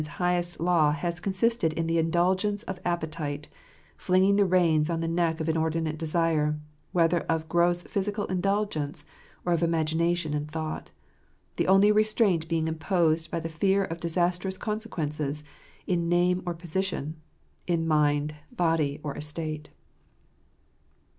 man's highest law has consisted in the indulgence of appe tite, flinging the reins on the neck of inordinate desire, whether of gross physical indulgence, or of imagination and thought; the only restraint being imposed by the fear of disastrous consequences in name or position; in mind, body, or estate.